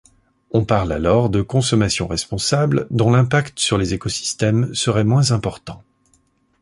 On parle alors de consommation responsable dont l'impact sur les écosystèmes serait moins important.